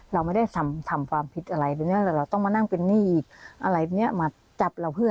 เราไม่ได้ทำความผิดอะไรแบบนี้แต่เราต้องมานั่งเป็นหนี้อีกอะไรเนี่ยมาจับเราเพื่อ